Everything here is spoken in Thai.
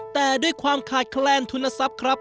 แต่ด้วยความขาดแคลนทุนทรัพย์ครับ